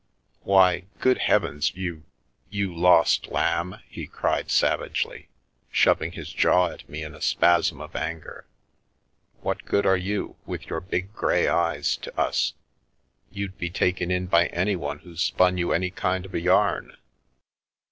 Why, good heavens, you — you lost lamb !" he cried savagely, shoving his jaw at me in a spasm of anger, " what good are you, with your big grey eyes, to us? You'd be taken in by anyone who spun you any kind of a yarn.